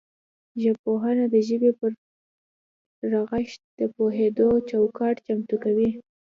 ژبپوهنه د ژبې پر رغښت د پوهیدو چوکاټ چمتو کوي